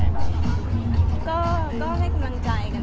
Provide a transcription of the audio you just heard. แม็กซ์ก็คือหนักที่สุดในชีวิตเลยจริง